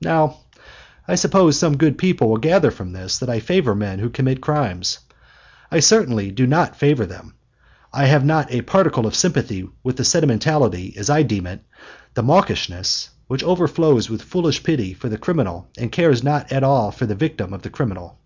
Now I suppose some good people will gather from this that I favor men who commit crimes. I certainly do not favor them. I have not a particle of sympathy with the sentimentality as I deem it, the mawkishness which overflows with foolish pity for the criminal and cares not at all for the victim of the criminal.